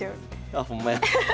あほんまや。